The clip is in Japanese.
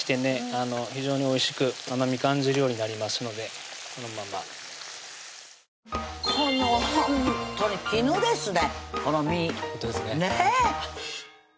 非常においしく甘み感じるようになりますのでこのままこのほんとに絹ですね